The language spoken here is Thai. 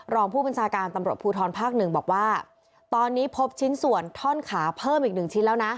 รองผู้บัญชาการตำรวจภูทรภาคหนึ่งบอกว่าตอนนี้พบชิ้นส่วนท่อนขาเพิ่มอีกหนึ่งชิ้นแล้วนะ